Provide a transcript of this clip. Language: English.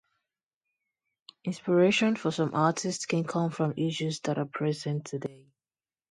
Inspiration for some artists can come from issues that are present today.